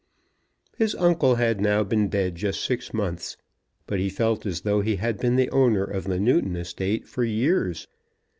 His uncle had now been dead just six months, but he felt as though he had been the owner of the Newton estate for years.